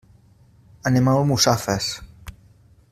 Anem a Almussafes.